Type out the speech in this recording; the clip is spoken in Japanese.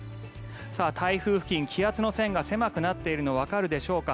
台風付近、気圧の線が狭くなっているのわかるでしょうか。